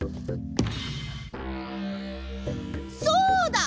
そうだ！